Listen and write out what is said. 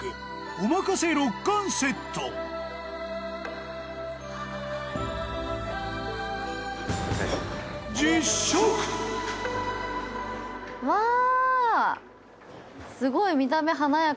おまかせ６貫セットわあ！